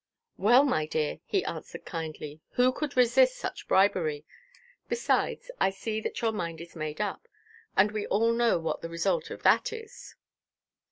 "Well, my dear," he answered kindly, "who could resist such bribery? Besides, I see that your mind is made up, and we all know what the result of that is.